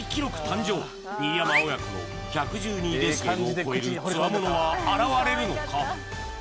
誕生新山親子の１１２デシベルを超えるつわものは現れるのか？